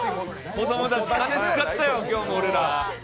子供たち、金使ったよ、今日も俺ら。